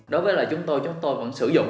đối với chúng tôi chúng tôi vẫn sử dụng